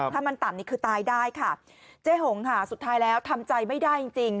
ถ้ามันต่ำนี่คือตายได้ค่ะเจ๊หงค่ะสุดท้ายแล้วทำใจไม่ได้จริงจริง